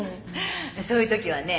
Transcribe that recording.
「そういう時はね